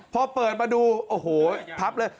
พอเปิดมาดูพับเลย